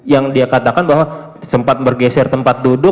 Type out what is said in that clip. yang dia katakan bahwa sempat bergeser tempat duduk